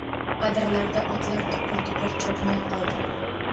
Adirlarda otlar dupur-dupur chopmay qoldi...